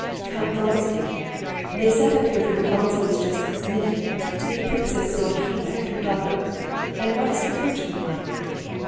"Count Vronsky? They sent up here from the Vronskys just this minute, to meet Princess Sorokina and her daughter. And what is the coachman like?"